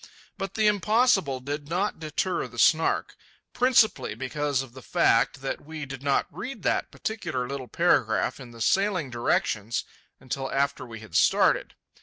But the impossible did not deter the Snark,—principally because of the fact that we did not read that particular little paragraph in the sailing directions until after we had started.